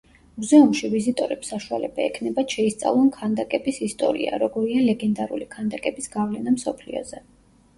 მუზეუმში ვიზიტორებს საშუალება ექნებათ შეისწავლონ ქანდაკების ისტორია, – როგორია ლეგენდარული ქანდაკების გავლენა მსოფლიოზე.